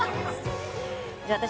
じゃあ私。